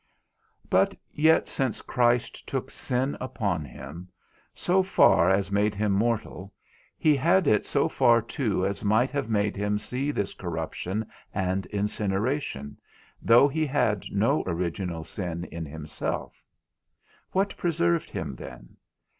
But yet since Christ took sin upon him, so far as made him mortal, he had it so far too as might have made him see this corruption and incineration, though he had no original sin in himself; what preserved him then?